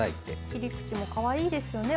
切り口もかわいいですよね